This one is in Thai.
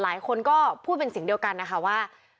หลายคนก็พูดเป็นเสียงเดียวกันนะคะว่า